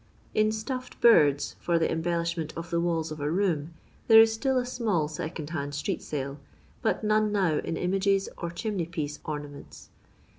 In Shsftd Birda for the embeUiahment of the walls of a room, there is still a small second hand street sale, bat none now in images or chimney piece ornaments.